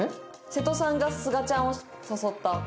瀬戸さんがすがちゃんを誘った。